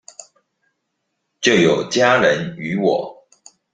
就有家人與我